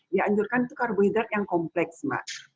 dianjurkan itu karbohidrat yang kompleks mbak